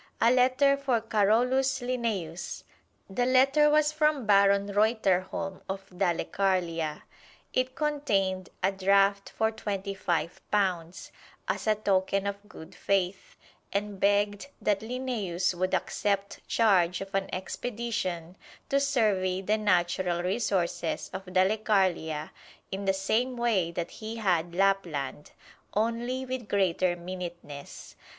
A letter for Carolus Linnæus! The letter was from Baron Reuterholm of Dalecarlia. It contained a draft for twenty five pounds, "as a token of good faith," and begged that Linnæus would accept charge of an expedition to survey the natural resources of Dalecarlia in the same way that he had Lapland, only with greater minuteness.